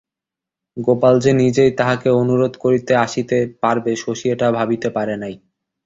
গোপাল যে নিজেই তাহাকে অনুরোধ করিতে আসিতে পারবে শশী এটা ভাবিতে পারে নাই।